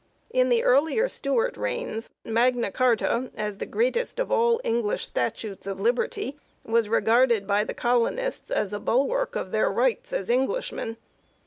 In the earlier Stuart reigns Magna Carta, as the greatest of all English statutes of liberty, was regarded by the colonists as a bulwark of their rights as Englishmen.